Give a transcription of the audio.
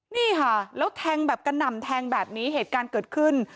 นี่ค่ะแล้วแทงแบบกระหน่ำแทงแบบนี้เหตุการณ์เกิดขึ้น